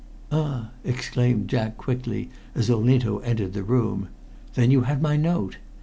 "Ah!" exclaimed Jack quickly, as Olinto entered the room. "Then you had my note!